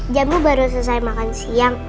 jamu baru selesai makan siang